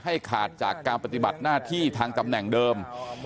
ขาดจากการปฏิบัติหน้าที่ทางตำแหน่งเดิม